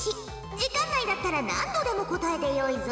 時間内だったら何度でも答えてよいぞ。